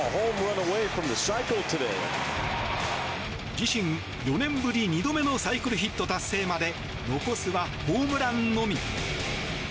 自身４年ぶり２度目のサイクルヒット達成まで残すはホームランのみ。